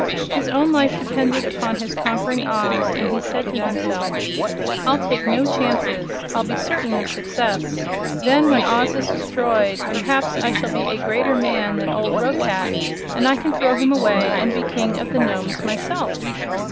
His own life depended upon his conquering Oz, and he said to himself: "I'll take no chances. I'll be certain of success. Then, when Oz is destroyed, perhaps I shall be a greater man than old Roquat, and I can throw him away and be King of the Nomes myself.